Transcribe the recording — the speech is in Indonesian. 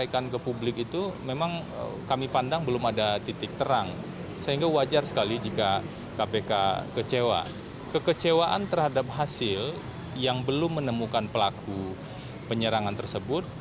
kekecewaan terhadap hasil yang belum menemukan pelaku penyerangan tersebut